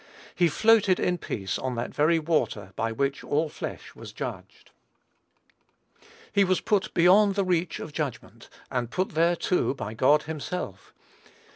He floated in peace on that very water by which "all flesh" was judged. He was put beyond the reach of judgment; and put there, too, by God himself.